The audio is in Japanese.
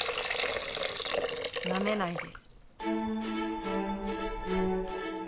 なめないで。